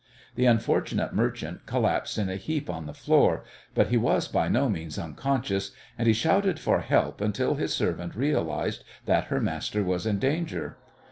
The unfortunate merchant collapsed in a heap on the floor, but he was by no means unconscious, and he shouted for help until his servant realized that her master was in danger.